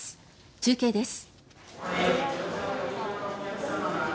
中継です。